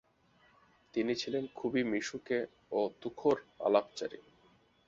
তিনি ছিলেন খুবই মিশুকে ও তুখোড় আলাপচারী।